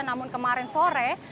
namun kemarin sore